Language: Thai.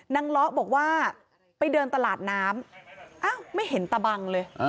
นางล้อบอกว่าไปเดินตลาดน้ำไม่เห็นตะบังเลย